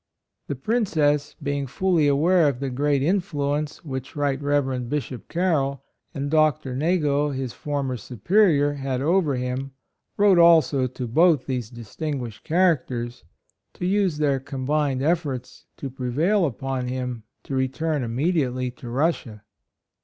"* The Princess being fully aware of the great influence which Rt. Rev. Bishop Carroll and Dr. Na got, his former superior, had over him, wrote also to both these dis tinguished characters to use their combined efforts to prevail upon him to return immediately to Rus sia.